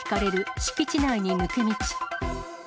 敷地内に抜け道。